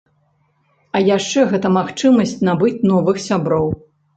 А яшчэ гэта магчымасць набыць новых сяброў!